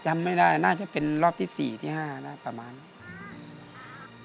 จำไม่ได้น่าจะเป็นรอบที่๔ที่๕นะประมาณนี้